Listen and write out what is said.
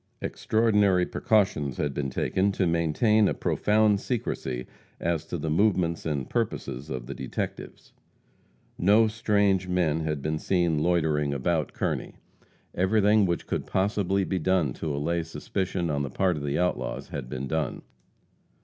Extraordinary precautions had been taken to maintain a profound secrecy as to the movements and purposes of the detectives. No strange men had been seen loitering about Kearney. Everything which could possibly be done to allay suspicion on the part of the outlaws had been done.